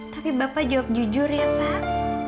tapi bapak jawab jujur ya pak